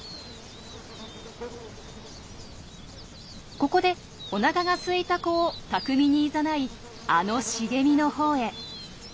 ここでおなかがすいた子を巧みにいざないあの茂みのほうへ。